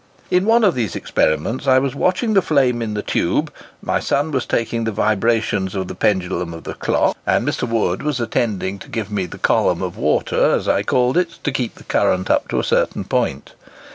In one of these experiments I was watching the flame in the tube, my son was taking the vibrations of the pendulum of the clock, and Mr. Wood was attending to give me the column of water as I called for it, to keep the current up to a certain point.